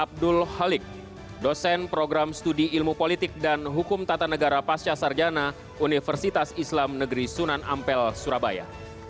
abdul halik dosen program studi ilmu politik dan hukum tata negara pasca sarjana universitas islam negeri sunan ampel surabaya